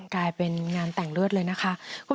กลายเป็นงานแต่งเลือดเลยนะคะ